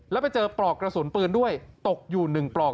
แล้วไปเจอปลอกกระสุนปืนด้วยตกอยู่๑ปลอก